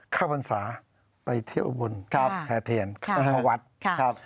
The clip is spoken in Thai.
เข้าพรรษาไปเที่ยวบุญแถวเถียนข้ามหาวัด